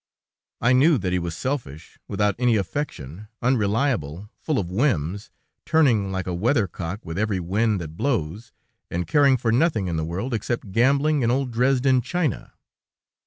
I knew that he was selfish, without any affection, unreliable, full of whims, turning like a weathercock with every wind that blows, and caring for nothing in the world except gambling and old Dresden china.